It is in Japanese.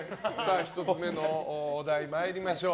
１つ目のお題参りましょう。